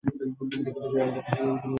দীর্ঘদিন তিনি অসুস্থ ছিলেন।